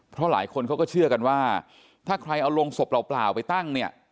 เพราะหลายคนเขาก็เชื่อกันว่าถ้าใครเอาโรงศพเปล่าไปตั้งเนี่ย